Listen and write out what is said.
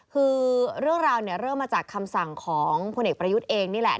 คือเรื่องราวเนี่ยเริ่มมาจากคำสั่งของพลเอกประยุทธ์เองนี่แหละ